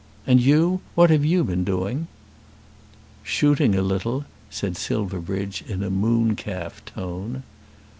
And you; what have you been doing?" "Shooting a little," said Silverbridge, in a mooncalf tone.